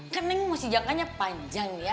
kan neng masih jangkanya panjang ya